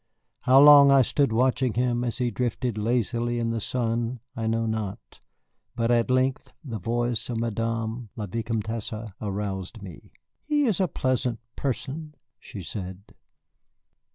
How long I stood watching him as he drifted lazily in the sun I know not, but at length the voice of Madame la Vicomtesse aroused me. "He is a pleasant person," she said.